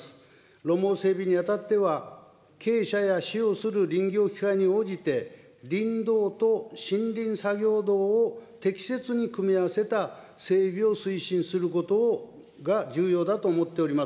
路網整備にあたっては、傾斜や使用する林業機械において林道と森林作業道を適切に組み合わせた整備を推進することが重要だと思っております。